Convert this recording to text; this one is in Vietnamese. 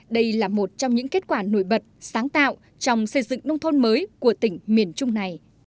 đây là một trong những kết quả nổi bật sáng tạo trong xây dựng nông thôn mới của tỉnh miền trung này